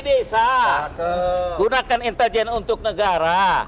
jangan gunakan untuk berkuasa